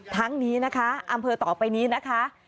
ทั้งนี้นะคะอำเภอต่อไปนี้นะคะ